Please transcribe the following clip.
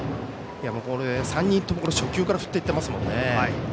３人とも初球から振っていっていますね。